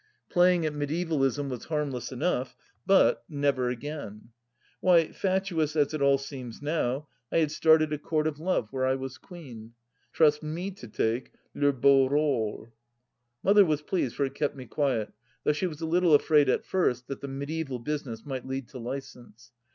Playing at mediaevalism was harmless enough, but — ^never again 1 ... Why, fatuous as it all seems now, I had started a Court of Love, where I was Queen. Trust me to take le beau role I Mother was pleased, for it kept me quiet, though she was a little afraid at first that the mediaeval business " might lead to license."